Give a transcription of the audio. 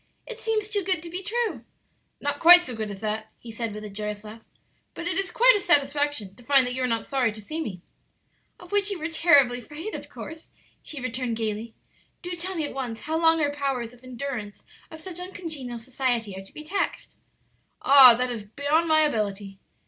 "It seems too good to be true." "Not quite so good as that," he said, with a joyous laugh, "But it is quite a satisfaction to find that you are not sorry to see me." "Of which you were terribly afraid, of course," she returned, gayly. "Do tell me at once how long our powers of endurance of such uncongenial society are to be taxed?" "Ah, that is beyond my ability."